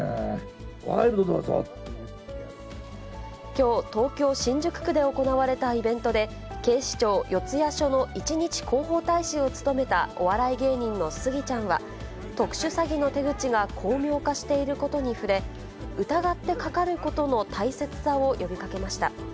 きょう、東京・新宿区で行われたイベントで、警視庁四谷署の一日広報大使を務めたお笑い芸人のスギちゃんは、特殊詐欺の手口が巧妙化していることに触れ、疑ってかかることの大切さを呼びかけました。